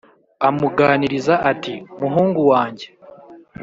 amuganiriza ati"muhungu wange